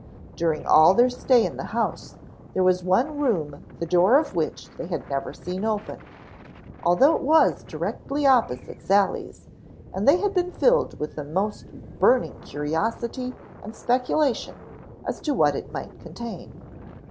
During all their stay in the house there was one room the door of which they had never seen open, although it was directly opposite Sally's and they had been filled with the most burning curiosity and speculation as to what it might contain.